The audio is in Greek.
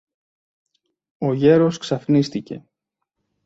Ο γέρος ξαφνίστηκε.